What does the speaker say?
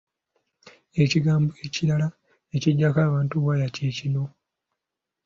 Ekigambo ekirala ekiggyako abantu waya kye kino.